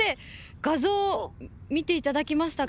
画像見ていただけましたか？